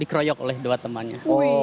dikroyok oleh dua temannya